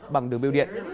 bằng đường biêu điện